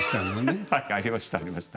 ハハッはいありましたありました。